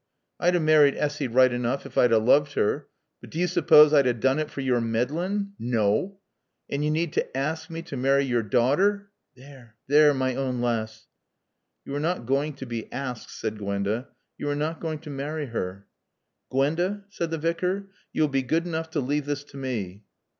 I'd a married Assy right enoof ef I'd 'a' looved her. But do yo' suppawss I'd 'a' doon it fer yore meddlin'? Naw! An' yo' need n' aassk mae t' marry yore daughter (There there my awn laass) " "You are not going to be asked," said Gwenda. "You are not going to marry her." "Gwenda," said the Vicar, "you will be good enough to leave this to me."